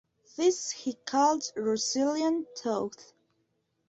These he calls "Russellian thoughts".